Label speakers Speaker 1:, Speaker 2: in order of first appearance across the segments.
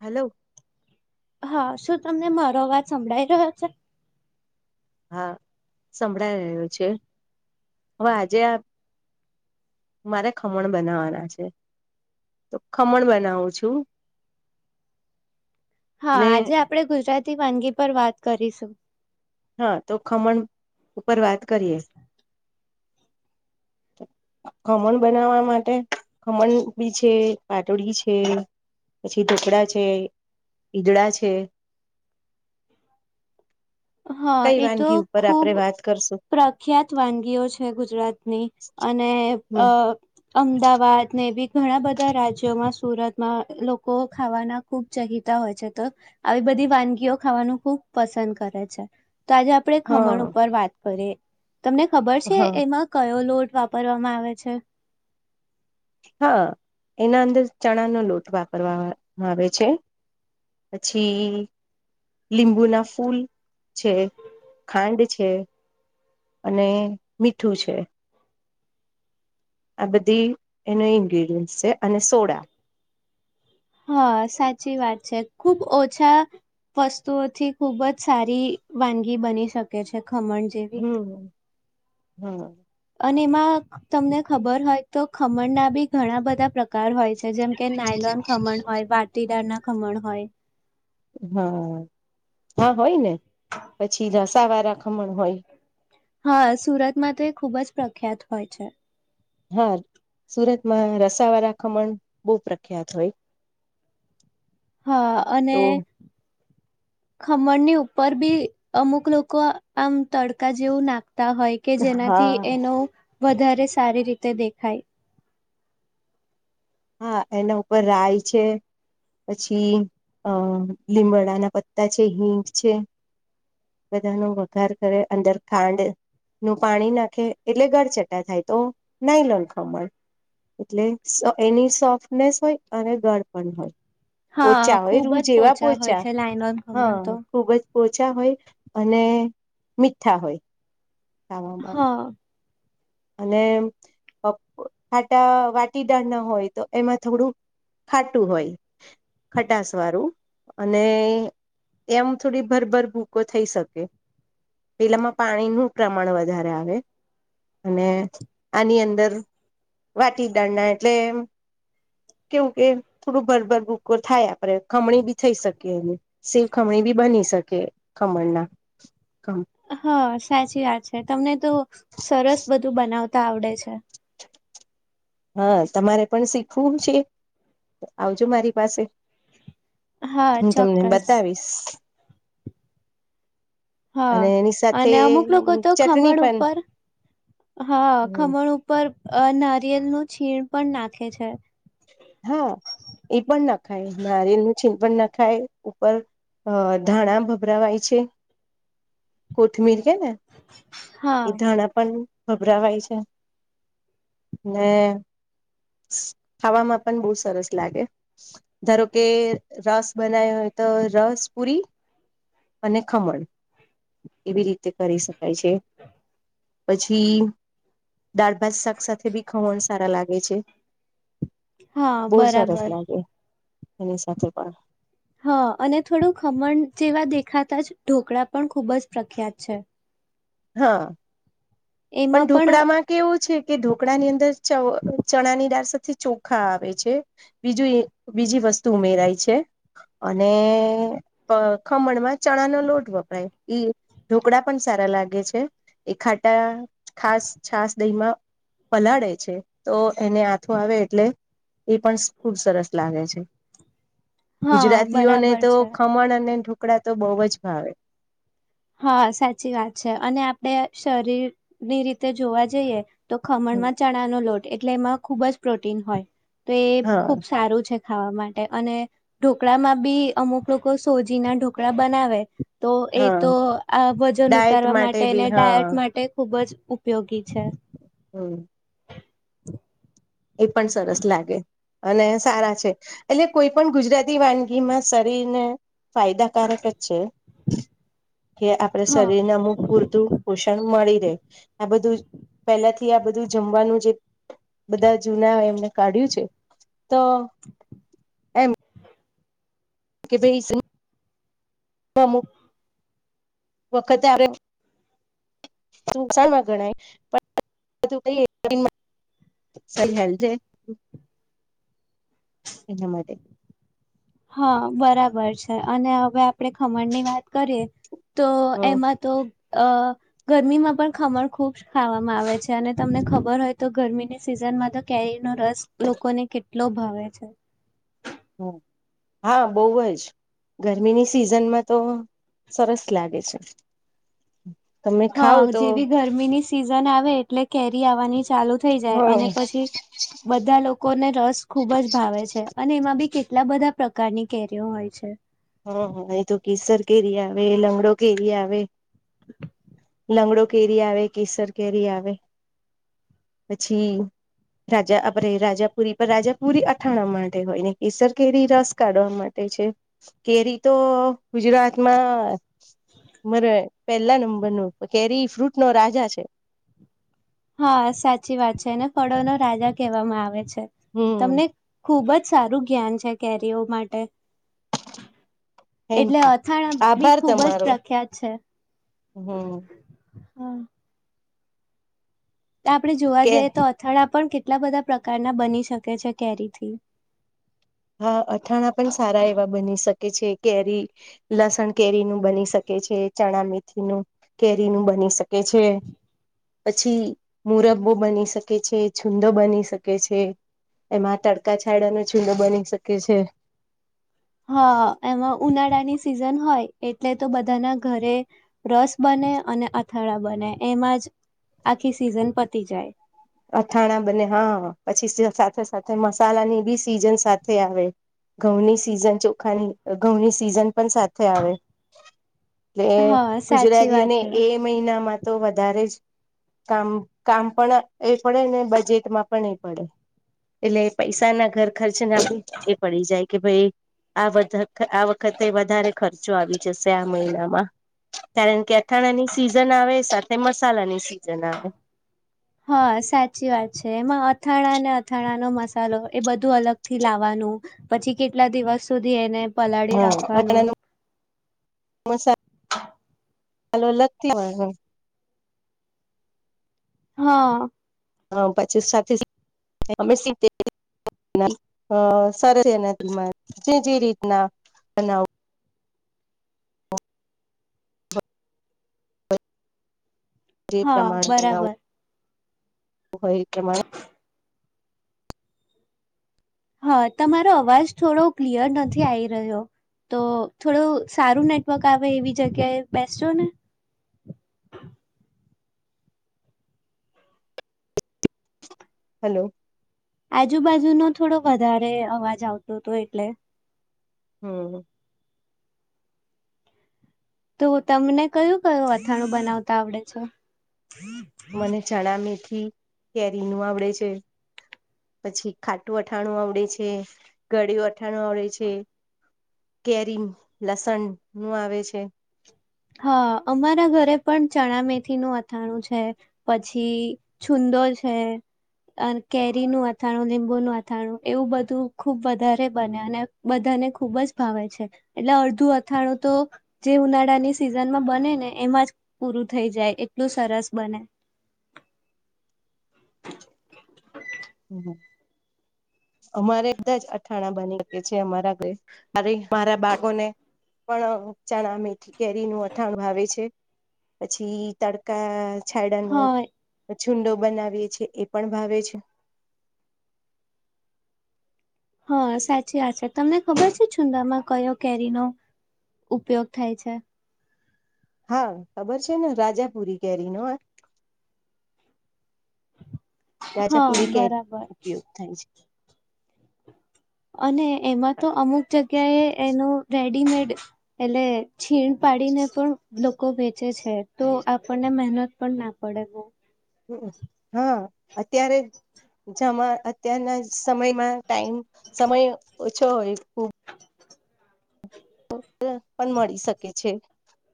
Speaker 1: હાલો
Speaker 2: હા શું તમને મારો અવાજ સંભળાઈ રહ્યો છે.
Speaker 1: હા સંભળાઈ રહ્યો છે હવે આજે આપ મારે ખમણ બનાવાના છે તો ખમણ બનાવું છું.
Speaker 2: હા
Speaker 1: ને
Speaker 2: આજે આપડે ગુજરા તી વાનગી પર વાત કરીશું.
Speaker 1: હા તો ખમણ ઉપર વાત કરીએ ખમણ બનાવવા માટે ખમણ બી છે પાટળી છે પછી ઢોકળા છે ઈદડા છે.
Speaker 2: હા
Speaker 1: કઈ
Speaker 2: એ તો
Speaker 1: વાનગી ઉપર
Speaker 2: ખુબ
Speaker 1: આપણે વાત કરશું
Speaker 2: પ્રખ્યાત વાનગીઓ છે ગુજરાતની અને અ
Speaker 1: હમ
Speaker 2: અમદાવાદ ને એવી ઘણા બધા રાજ્યોમાં સુરતમાં લોકો ખાવાના ખુબ ચહીતા હોય છે તો આવી બધી વાનગીઓ ખાવાનું ખુબ પસંદ કરે છે. તો આજે આપણે ખમણ
Speaker 1: હા
Speaker 2: ઉપર વાત કરે તમને ખબર છે
Speaker 1: હા
Speaker 2: એમાં કયો લોટ વાપરવામાં આવે છે.
Speaker 1: હા એના અંદર ચણાનો લોટ વાપરવામા આવે છે પછી લીંબુ ના ફૂલ છે ખાંડ છે અને મીઠું છે. આ બધી એની ઇન્ગ્રીડિયન્ટસ છે અને સોડા
Speaker 2: હા સાચી વાત છે ખુબ ઓછા વસ્તુઓથી ખુબ જ સારી વાનગી બની શકે છે. ખમણ જેવી
Speaker 1: હમ [inaudible]
Speaker 2: અને એમાં તમને ખબર હોય તો ખમણના બી ઘણા બધા પ્રકાર હોય છે, જેમ કે નાયલોન ખમણ હોય વાતીદાર ના ખમણ હોય
Speaker 1: હા હા હોય ને. પછી [unintelligible] [unintelligible] હોય.
Speaker 2: હા સુરતમાં તો એ ખુબ જ પ્રખ્યાત હોય છે.
Speaker 1: હા સુરતમાં રસા વાળા ખમણ બહુ પ્રખ્યાત હોય.
Speaker 2: હા અને
Speaker 1: તો
Speaker 2: ખમણની ઉપર બી અમુક લોકો આમ તડકા જેવું નાખતા હોય કે
Speaker 1: હા
Speaker 2: જેનાથી એનો વધારે સારી રીતે દેખાય
Speaker 1: હા એના ઉપર રાય છે, પછી અ લીમડાના પત્તા છે, હિંગ છે. બધાનો વઘાર કરે અંદર ખાંડ નું પાણી નાખે એટલે ગળચટા થાય તો ના લોલખ મળ એટલે એની સોફ્ટનેસ હોય અને ગળ પણ હોય.
Speaker 2: હા
Speaker 1: ઓછા હોય
Speaker 2: ખુબ
Speaker 1: રૂ
Speaker 2: જ
Speaker 1: જેવા
Speaker 2: પોચા હોય છે, લાઈનોન
Speaker 1: હા
Speaker 2: ખમણ તો.
Speaker 1: [unintelligible] હોય. અને મીઠા હોય.
Speaker 2: હા
Speaker 1: [inaudible] અને ખાટા વાટીદાળ ના હોય તો એમાં થોડું ખાટું હોય ખટાસ વાળું અને એમ થોડી ભરભર ભૂકો થઈ શકે પેલામાં પાણીનું પ્રમાણ વધારે આવે. અને આની અંદર વાટી દાંના એટલે કેવું કે થોડું ભરભર ભૂકો થાય આપણે ખમણી બી થઈ શકી એ [unintelligible] ખમણી બી બની શકે ખમણના. ખમણ
Speaker 2: હા સાચી વાત છે, તમને તો સરસ બધું બનાવત [unintelligible] આવડે છે
Speaker 1: હા તમારે પણ શીખવું છે, આવજો મારી પાસે
Speaker 2: હા
Speaker 1: હું તમને
Speaker 2: ચોક્કસ
Speaker 1: બતાવીશ.
Speaker 2: હા
Speaker 1: અને એની સાથે
Speaker 2: અને અમુક લોકો તો
Speaker 1: ચટણી
Speaker 2: ખમણ
Speaker 1: પણ
Speaker 2: ઉપર હા
Speaker 1: હમ
Speaker 2: ખમણ ઉપર અ નારિયેલ નું છીણ પણ નાખે છે.
Speaker 1: હા એ પણ ના ખાય [unintelligible] ન છીન પણ ના ખાય ઉપર ધાણા ભભરાવાય છે. કોથમીર
Speaker 2: હા
Speaker 1: એ ધાણા પણ ગભરાવાય છે, ને ખાવામાં પણ બહુ સરસ લાગે ધારો કે રસ બનાવ હોય તો રસ પુરી અને ખમણ એવી રીતે કરી [unintelligible] [inaudible] પછી દાળ ભાત શાક સાથે બી સારા લાગે છે.
Speaker 2: હા
Speaker 1: બહુ સરસ
Speaker 2: બરાબર.
Speaker 1: લાગે એની સાથે પણ
Speaker 2: હા અને થોડું ખમણ જેવા દેખાતા જ ઢોકળા પણ ખૂબ જ પ્રખ્યાત છે.
Speaker 1: હા પણ ઢોકળા માં કેવું છે. કે ઢોકળા ની અંદર ચવ ચણા ની દાળ સાથે ચોખા આવે છે બીજું બીજી વસ્તુ ઉમેરાય છે અને અ ખમણમાં ચણા નો લોટ વપરાય ઢોકળા પણ સારા લાગે. લાગે છે એ ખાટા ખાસ છાસ દહી માં પલાળે છે તો એને આથો આવે એટલે એ પણ ખુબ સરસ લાગે છે.
Speaker 2: હા
Speaker 1: ગુજરાતીઓને
Speaker 2: બરાબર
Speaker 1: તો
Speaker 2: છે
Speaker 1: ખમણ અને ઢોકળા તો બહુ જ ભાવે.
Speaker 2: હા સાચી વાત છે અને આપડે શરીરની રીતે જોવા જઈએ તો ખમણ માં ચણાનો લોટ એટલે એમાં ખુબ જ પ્રોટીન હોય. તો એ
Speaker 1: હા
Speaker 2: ખુબ સારું છે. ખાવા માટે અને ઢોકળામાં બી અમુક લોકો સોજી ના ઢોકળા બનાવે. તો એ
Speaker 1: હા
Speaker 2: તો આ વજન
Speaker 1: ડાયટ
Speaker 2: ઉતારવા માટે ને
Speaker 1: બી હા
Speaker 2: ડાયટ માટે ખુબ જ ઉપયોગી છે.
Speaker 1: હમ એ પણ સરસ લાગે. અને સારા છે એટલે કોઈ પણ ગુજરાતી વાનગીમાં શરીરને ફાયદાકારક જ છે. કે આપણે
Speaker 2: હા
Speaker 1: શરીરને અમુક પૂરતું પોષણ મળી રહે આ બધું પહેલા થી આ બધું જમવાનું જે બધા જૂના એમને કાઢ્યું છે તો એમ કે ભઈ અમુક વખતે ગણાય [unintelligible] માટે
Speaker 2: હા બરાબર છે અને હવે આપણેે ખમણ ની વાત કરીએ તો
Speaker 1: હમ
Speaker 2: એમાં તો અ ગરમીમાં પણ ખમણ ખૂબ ખાવામાં આવે છે અને તમને ખબર હોય તો ગરમીની સિઝનમાં તો કેરીનો રસ લોકોને કેટલો ભાવે છે
Speaker 1: હ હા બઉ જ ગરમીની સિઝનમાં તો સરસ લાગે છે. તમે ખાવ
Speaker 2: હા
Speaker 1: તો
Speaker 2: જેવી ગરમીની સી ઝન આવે એટલે કેરી આવવાની ચાલુ થઈ જાય
Speaker 1: હ
Speaker 2: અને પછી બધા લોકોને રસ ખુબ જ ભાવે છે અને એમાં બી કે કેટલા બધા પ્રકારની કેરીઓ હોય છે.
Speaker 1: હમ હ એ તો કેસર કેરી આવે લંગડો કેરી આવે.
Speaker 2: [inaudible]
Speaker 1: લંગડો કેરી આવે કેસર કેરી આવે પછી રાજા આપરે રાજાપુરી પર રાજાપુરી અથાણા માટે હોય ને કેસર કેરી રસ કાઢવા માટે છે. કેરી તો ગુજરાતમાં મરે પહેલા નંબર નું કેરી ફ્રૂટ નો રાજા છે.
Speaker 2: હા સાચી વાત છે એને ફળો નો રાજા કહેવામાં આવે છે.
Speaker 1: હમ
Speaker 2: તમને ખૂબ જ સારું જ્ઞાન છે કેરીઓ માટે.
Speaker 1: થેન્ક
Speaker 2: એટલે
Speaker 1: યુ
Speaker 2: અથાણા બી
Speaker 1: આભાર
Speaker 2: ખુબ જ
Speaker 1: તમારો
Speaker 2: પ્રખ્યાત છે.
Speaker 1: હમ
Speaker 2: હા. આપડે જોવા
Speaker 1: કે
Speaker 2: જઈએ તો અથાડા પણ કે ટલા બધા પ્રકારના બની શકે છે કેરીથી.
Speaker 1: હા અથાણા પણ સારા એવા બની શકે છે કેરી લસણ કેરીનું બની શકે છે ચણા મેથીનું કેરીનું બની શ કે છે. પછી મુરબ્બો બની શકે છે છૂંદો બની શકે છે એમાં તડકા છાડાનો છુંંદો બની શકે છે.
Speaker 2: હા એમાં ઉનાળા ની સિઝન હોય. એટલે તો બધાના ઘરે રસ બને અને અ થાળા બને એમાં જ આખી સીઝન પતી જાય.
Speaker 1: અથાણા બને હા પછી સાથે સાથે મસાલાની બી સીઝન સાથે આવે ઘઉંની સીઝન ચોખાની ઘઉંની સીઝન પણ સાથે આવે. એટલે
Speaker 2: હા સાચી વાત
Speaker 1: ગુજરાતીઓને
Speaker 2: છે.
Speaker 1: એ મહિનામાં તો વધારે જ કામ કામ પણ એ પડે ને બજેટમાં પણ એ પડે એટલે પૈસાના ઘર ખર્ચ ના બી એ પડી જાય કે ભઈ આ બધા આ વખતે વધારે ખર્ચો આવી જશે આ મહિનામાં કારણ કે થાણા ની સિઝન આવે સ તે મસાલાની સી જન આવે.
Speaker 2: હા સાચી વાત છે એમાં અથાણા ને અથાણાનો મસાલો એ બધું અલગથી લાવાનું પછી કેટલા દિવસ સુધી એને પલાળી
Speaker 1: હા
Speaker 2: રાખવાનું
Speaker 1: અટમાનું મસા હાલો લગતી હો
Speaker 2: હા.
Speaker 1: હ પછી સાથે સરસ છે એનારે જે જે રીતના બનાવ જે
Speaker 2: હા
Speaker 1: પ્રમાણે બનાવ
Speaker 2: બરાબર
Speaker 1: હોય કેમાં
Speaker 2: હા તમારો અવાજ થોડો ક્લિયર નથી આઈ રહ્યો તો થોડું સારું નેટવર્ક આવે એવી જગ્યાએ બેસજો ને.
Speaker 1: હલો.
Speaker 2: આજુબાજુનો થોડો વધારે અવાજ આવતો હતો એટલે.
Speaker 1: હમ.
Speaker 2: તો તમને કયું કયું અથાણું બનાવતા આવડે છે?
Speaker 1: મને જણ મી કેરી નું આવડે છે પછી ખાટું અઠાણું આવડે છે ગળિયુ અઠાણું આવડે છે કેરી લસણ નું આવે છે.
Speaker 2: હા અમારા ઘરે પણ ચણા મેથીનું અથાણું છે પછી છુંંદો છેઅન કેરીનું અથાણું લીંબુનું અથાણું એવું બધું ખુબ વધારે બને અને બધાને ખુબ જ ભાવે છે એટલે અડધું અથાણું તો જે ઉનાળાની સીઝનમા બને ને એમાં જ પુરુષ થઇ જાય એટલું સરસ બને.
Speaker 1: હ અમારે બધા જ અથાણા બની ગ છે અમારા ઘ અરે મારા બાકોને પણ ચણા મેથી કેરી નું અથાણું આવે છે પછી તડકા છાડાનું
Speaker 2: હા
Speaker 1: છુંડો બનાવીએ છે એ પણ ભાવે છે.
Speaker 2: હા, સાચી વાત છે. તમને ખબર છે છુંડામાં કયો કેરીનો ઉપયોગ થાય છે?
Speaker 1: હા, ખબર છે ને રાજાપુરી કેરી નો અ.
Speaker 2: હા
Speaker 1: રાજાપુરી કેરી
Speaker 2: બરાબર
Speaker 1: ઉપયોગ થાય છે.
Speaker 2: અને એમાં તો અમુક જ ગ્યાએ એનો રેડીમેડ એટલે છીણ પાડીને પણ લોકો વેચે છે. તો આપણને મહેનત પણ ના પડે બોવ.
Speaker 1: હમ્મ અં. હા અત્યારે જમા અત્યારના સમયમાં ટાઈમ સમય ઓછો હોય ખુબ. [inaudible] પણ મળી શકે છે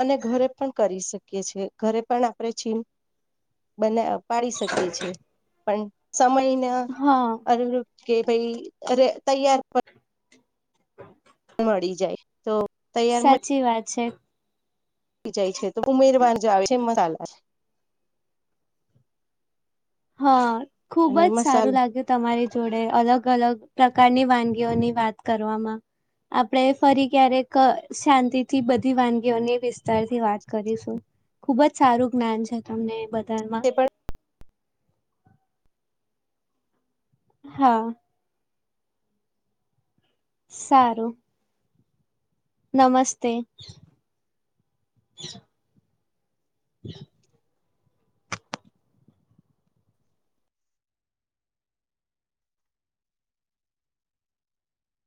Speaker 1: અને ઘરે પણ કરી શકીએ છે. ઘરે પણ આપણે છીમ બના પાડી શકીએ છે. પણ સમયના
Speaker 2: હા
Speaker 1: અરર કે ભઈ અરે તૈયાર પ મડી જાય. તો
Speaker 2: સાચી વાત છે.
Speaker 1: ઈ જાય છે. તો ઉમેરવાન જે આવે છે એ મસાલા
Speaker 2: હા. ખુબ
Speaker 1: અને
Speaker 2: જ સારું
Speaker 1: મસાલા
Speaker 2: લાગ્યું તમારી જોડે અલગ ગ અલગ પ્રકારની વાનગીઓની વાત કરવામાં આપણેે ફરી ક્યારેક શાંતિથી બધી વાનગીઓની વિસ્તાર થી વાત કરીશું. ખુબ જ સારું જ્ઞાન છે તમને બ
Speaker 1: તે
Speaker 2: ધામાં
Speaker 1: પણ
Speaker 2: હા. સારું. નમસ્તે. [inaudible]